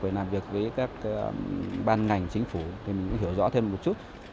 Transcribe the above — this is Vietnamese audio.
và làm việc với các ban ngành chính phủ thì mình cũng hiểu rõ thêm một chút